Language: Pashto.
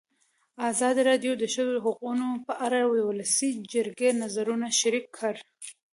ازادي راډیو د د ښځو حقونه په اړه د ولسي جرګې نظرونه شریک کړي.